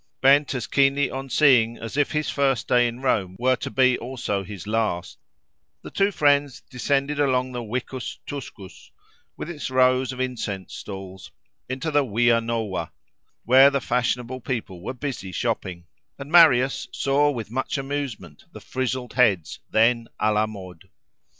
Bent as keenly on seeing as if his first day in Rome were to be also his last, the two friends descended along the Vicus Tuscus, with its rows of incense stalls, into the Via Nova, where the fashionable people were busy shopping; and Marius saw with much amusement the frizzled heads, then à la mode.